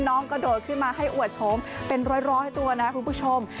กระโดดขึ้นมาให้อวดโฉมเป็นร้อยตัวนะคุณผู้ชม